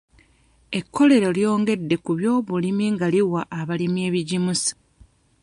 Ekkolero lyongedde ku byobulimi nga liwa abalimi ebigimusa.